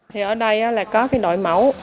thì ở đây là có cái đội mẫu